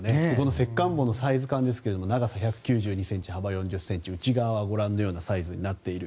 石棺墓のサイズ感ですが長さ１９２ｃｍ幅４０ｃｍ内側はご覧のようなサイズになっている。